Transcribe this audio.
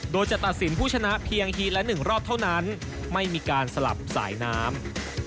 โดยจะตัดสินผู้ชนะเพียงฮีดละ๑รอบเท่านั้นไม่มีการสลับสายน้ำ